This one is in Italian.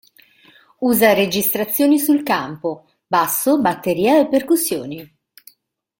Usa registrazioni sul campo, basso, batteria e percussioni.